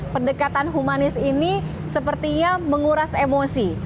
pendekatan humanis ini sepertinya menguras emosi